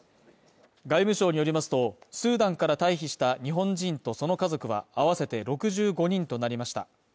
外務省によりますと、スーダンから退避した日本人とその家族は合わせて６５人となりました。